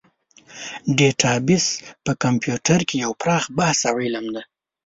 ډیټابیس په کمپیوټر کې یو پراخ بحث او علم دی.